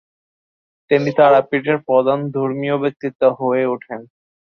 তিনি তারাপীঠের প্রধান ধর্মীয় ব্যক্তিত্ব হয়ে ওঠেন।